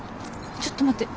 ちょっと待って。